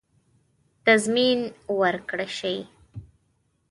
تضمین ورکړه شي.